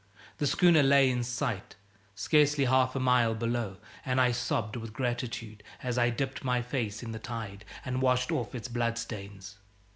The schooner lay in sight, scarcely half a mile below, and I sobbed with gratitude as I dipped my face in the tide and washed off its bloodstains.